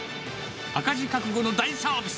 赤字覚悟の大サービス。